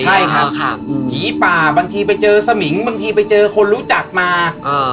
ใช่ครับผีป่าบางทีไปเจอสมิงบางทีไปเจอคนรู้จักมาอ่า